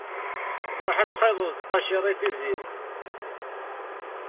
Ruḥ ad txiḍeḍ ttqacir i tizit.